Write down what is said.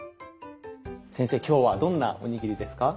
先生今日はどんなおにぎりですか？